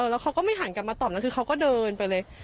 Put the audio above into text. แล้วเขาก็ไม่หันกลับมาตอบนั้นคือเขาก็เดินไปเลย